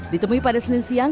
ditemui pada senin siang